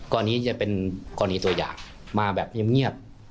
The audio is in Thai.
อันนี้จะเป็นตัวอย่างมาแบบเงียบ